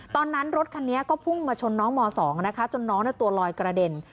รถคันนี้ก็พุ่งมาชนน้องม๒นะคะจนน้องตัวลอยกระเด็น